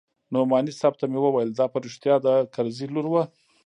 نعماني صاحب ته مې وويل دا په رښتيا د کرزي لور وه.